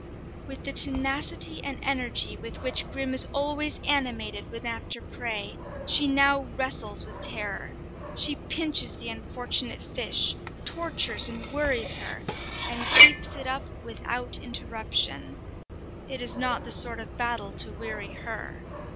With the tenacity and energy with which Grim is always animated when after prey, she now wrestles with Terror. She pinches the unfortunate fish, tortures and worries her, and keeps it up without interruption. It is not the sort of battle to weary her.